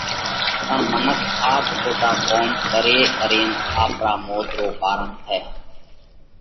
پڻ منک آپ کوٽا ڪوم ڪري ڪرينَ آپرا موت رو ڪارڻ ٿئه۔